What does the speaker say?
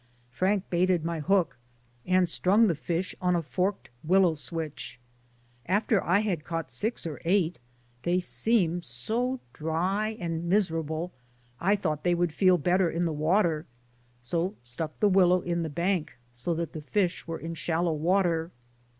Frank baited my hook and strung the fish on a forked willow switch. After I had caught six or eight they seem so dry and miserable I thought they would feel better in the water, so stuck the willow in the bank, so that the fish were in shallow water.